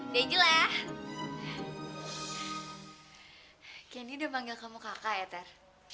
dan dia manggil aku kakak